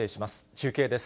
中継です。